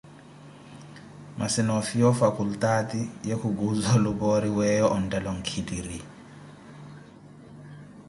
Masi noofiya Ofakultaati ya kicuuza olipoori, weyo Onteela onkhitiri.